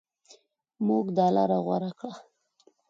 موږ دا لاره غوره کړه.